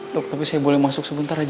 dok tapi saya boleh masuk sebentar aja